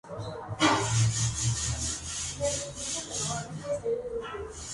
La tecnología "Always On Display" se está expandiendo en los topes de gama.